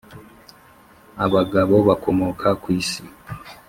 abagabo bakomoka kwisi